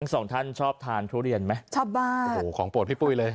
สองท่านชอบทานทุเรียนไหมชอบบ้านโอ้โหของโปรดพี่ปุ้ยเลย